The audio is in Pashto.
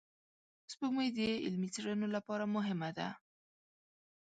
سپوږمۍ د علمي څېړنو لپاره مهمه ده